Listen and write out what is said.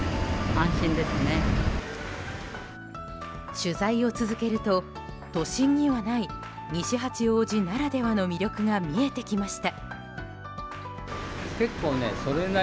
取材を続けると、都心にはない西八王子ならではの魅力が見えてきました。